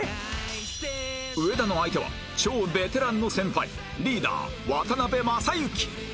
上田の相手は超ベテランの先輩リーダー渡辺正行